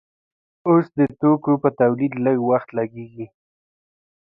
اوس د توکو په تولید لږ وخت لګیږي.